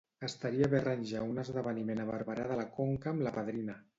Estaria bé arranjar un esdeveniment a Barberà de la Conca amb la padrina.